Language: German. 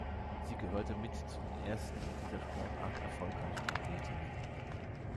Sie gehörte mit zu den ersten in dieser Sportart erfolgreichen Athletinnen.